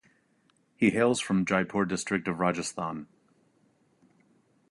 He hails from Jaipur district of Rajasthan.